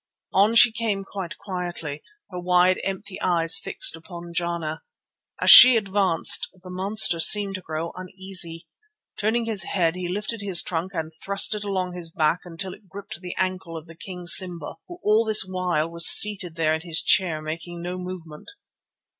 On she came quite quietly, her wide, empty eyes fixed upon Jana. As she advanced the monster seemed to grow uneasy. Turning his head, he lifted his trunk and thrust it along his back until it gripped the ankle of the King Simba, who all this while was seated there in his chair making no movement.